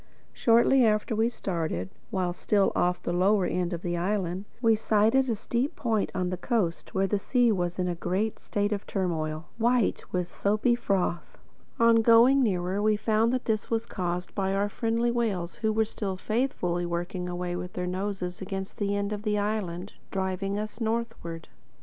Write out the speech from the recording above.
Shortly after we started, while still off the lower end of the island, we sighted a steep point on the coast where the sea was in a great state of turmoil, white with soapy froth. On going nearer, we found that this was caused by our friendly whales who were still faithfully working away with their noses against the end of the island, driving us northward.